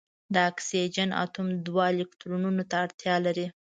د اکسیجن اتوم دوه الکترونونو ته اړتیا لري.